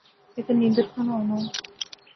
لیکن نیندر کھانا آناں